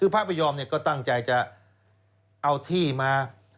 พระพยอมก็ตั้งใจจะเอาที่มา